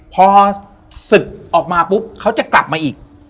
พอศึกออกมาปุ๊บเขาจะกลับมาอีก